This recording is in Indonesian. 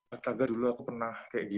astaga dulu aku pernah kayak di